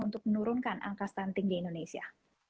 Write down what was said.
untuk menurunkan angka stunting di indonesia